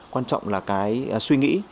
quan trọng là cái suy nghĩ